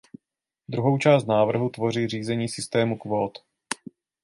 Druhou část návrhu tvoří řízení systému kvót.